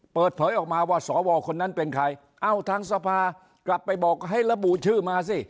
เปิดเผยออกมาว่าสวคนนั้นเป็นใครเอ้าทางสภากลับไปบอกให้ระบุชื่อมาสิ